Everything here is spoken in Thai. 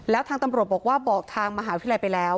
แล้วทางตำรวจบอกว่าบอกทางมหาวิทยาลัยไปแล้ว